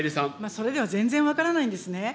それでは全然分からないんですね。